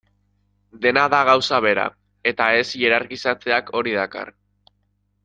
Dena da gauza bera, eta ez hierarkizatzeak hori dakar.